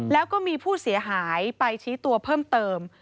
แล้วก็มีผู้เสียหายไปชี้ตัวเพิ่มเติม